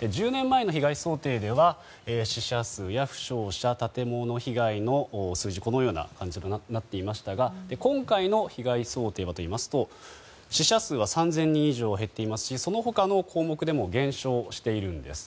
１０年前の被害想定では死者数や負傷者建物被害の数字、このような感じとなっていましたが今回の被害想定は死者数は３０００人以上減っていますしその他の項目でも減少しているんです。